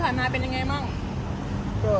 คุณอยู่ในโรงพยาบาลนะ